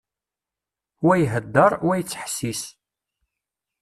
Wa ihedder, wa yettḥessis.